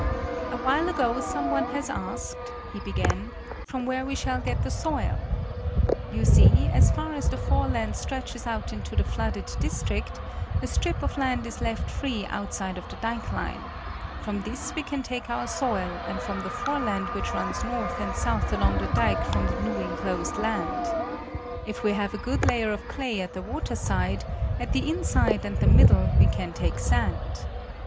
"A while ago someone has asked," he began, "from where we shall get the soil? You see, as far as the foreland stretches out into the flooded district, a strip of land is left free outside of the dike line; from this we can take our soil and from the foreland which runs north and south along the dike from the new enclosed land. If we have a good layer of clay at the water side, at the inside and the middle we can take sand.